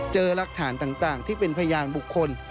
รักฐานต่างที่เป็นพยานบุคคล